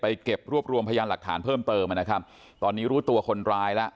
เก็บรวบรวมพยานหลักฐานเพิ่มเติมนะครับตอนนี้รู้ตัวคนร้ายแล้ว